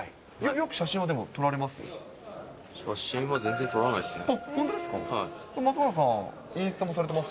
よく写真は撮られます？